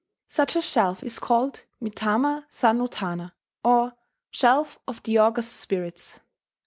Such a shelf is called Mitama San no tana, or "Shelf of the august spirits."